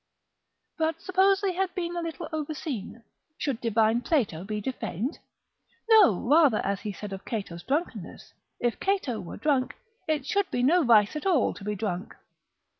But suppose they had been a little overseen, should divine Plato be defamed? no, rather as he said of Cato's drunkenness, if Cato were drunk, it should be no vice at all to be drunk.